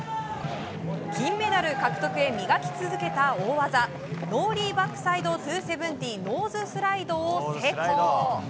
金メダル獲得へ磨き続けた大技ノーリーバックサイド２７０ノーズスライドを成功。